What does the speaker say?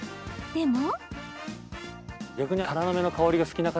でも。